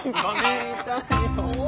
お！